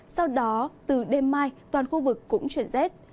sau đó từ đêm mai toàn khu vực cũng chuyển rét